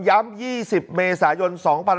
ย้ำ๒๐เมษายน๒๐๖๖